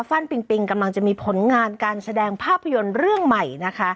ปิงปิงกำลังจะมีผลงานการแสดงภาพยนตร์เรื่องใหม่นะคะ